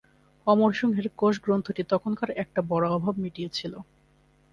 অমরসিংহের কোষগ্রন্থটি তখনকার একটা বড় অভাব মিটিয়েছিল।